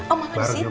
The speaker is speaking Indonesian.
oh ma disitu duduk